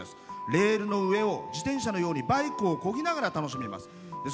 レールの上を自転車のようにバイクをこぎながら楽しめます。